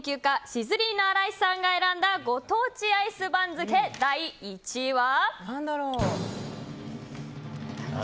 シズリーナ荒井さんが選んだご当地アイス番付第１位は。